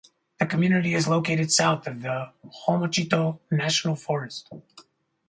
The community is located south of the Homochitto National Forest.